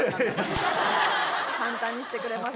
簡単にしてくれました。